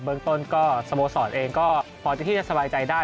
เมืองต้นก็สโมสรเองก็พอที่จะสบายใจได้